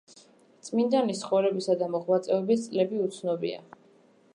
წმინდანის ცხოვრებისა და მოღვაწეობის წლები უცნობია.